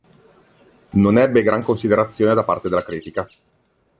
Non ebbe gran considerazione da parte della critica.